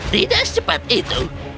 tidak sempat itu